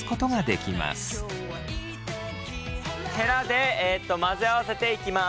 ヘラで混ぜ合わせていきます。